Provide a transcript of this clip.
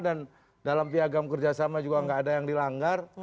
dan dalam piagam kerjasama juga enggak ada yang dilanggar